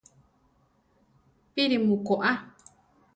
¿Píri mu koʼa?